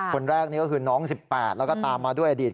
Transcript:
คนแรกนี้ก็คือน้อง๡และกันก็ตามมาด้วยอดิษฐ์